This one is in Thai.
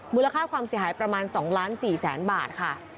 มูลค่าความเสียหายประมาณ๒ล้าน๔แสนบาทค่ะ